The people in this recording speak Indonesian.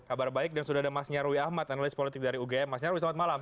kabar baik dan sudah ada mas nyarwi ahmad analis politik dari ugm mas nyarwi selamat malam